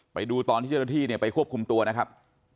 ไปดูตอนที่เจ้าหน้าที่เนี่ยไปควบคุมตัวนะครับ